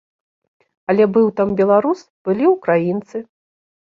Але быў там беларус, былі ўкраінцы.